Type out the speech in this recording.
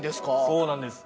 そうなんです。